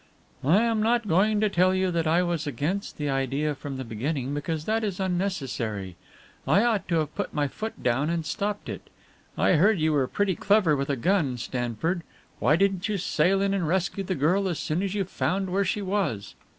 "I am not going to tell you that I was against the idea from the beginning, because that is unnecessary. I ought to have put my foot down and stopped it. I heard you were pretty clever with a gun, Stanford. Why didn't you sail in and rescue the girl as soon as you found where she was?"